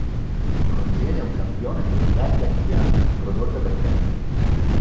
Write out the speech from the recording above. Contiene un campione di "Back At Ya", prodotta da Kerr.